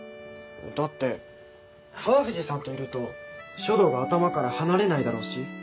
だって川藤さんといると書道が頭から離れないだろうし。